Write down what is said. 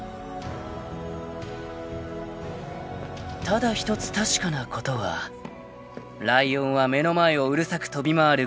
［ただ一つ確かなことはライオンは目の前をうるさく飛び回る小バエを］